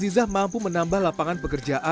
segala kesehatan yang paling nerata